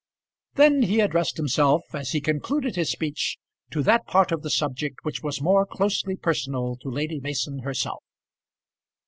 Then he addressed himself, as he concluded his speech, to that part of the subject which was more closely personal to Lady Mason herself.